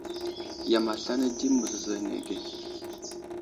Yam aslane di məzəzo anege.